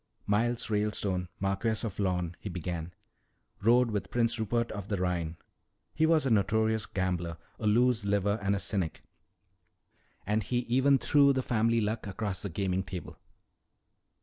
"Miles Ralestone, Marquess of Lorne," he began, "rode with Prince Rupert of the Rhine. He was a notorious gambler, a loose liver, and a cynic. And he even threw the family Luck across the gaming table."